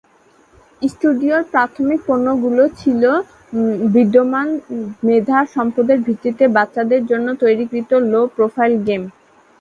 স্টুডিওর প্রাথমিক পণ্যগুলি ছিল বিদ্যমান মেধা সম্পদের ভিত্তিতে বাচ্চাদের জন্য তৈরিকৃত লো-প্রোফাইল গেম।